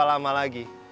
berapa lama lagi